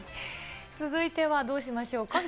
続いてはどうでしょう。